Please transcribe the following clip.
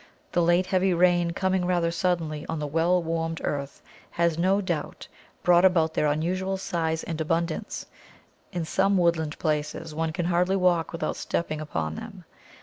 The late heavy rain coming rather suddenly on the well warmed earth has no doubt brought about their unusual size and abundance; in some woodland places one can hardly walk without stepping upon them.